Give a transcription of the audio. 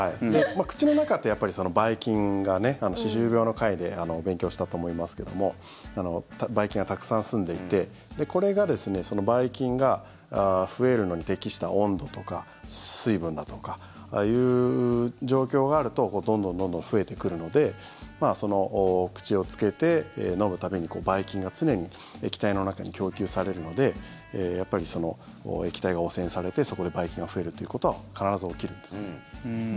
口の中ってやっぱり、ばい菌が歯周病の回で勉強したと思いますけどもばい菌がたくさんすんでいてこれがばい菌が増えるのに適した温度とか水分だとかいう状況があるとどんどんどんどん増えてくるので口をつけて飲む度にばい菌が常に液体の中に供給されるのでやっぱり液体が汚染されてそこでばい菌が増えるということは必ず起きるんです。